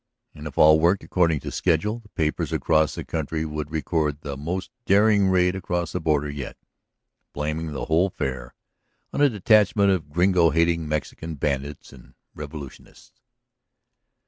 And, if all worked according to schedule, the papers across the country would record the most daring raid across the border yet, blaming the whole affair on a detachment of Gringo hating Mexican bandits and revolutionists."